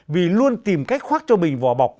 vì luôn tìm cách khoác cho mình vò bọc